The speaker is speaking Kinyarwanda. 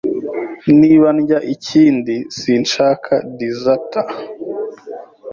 Niba ndya ikindi, sinshaka desert.